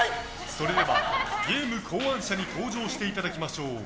それではゲーム考案者に登場していただきましょう。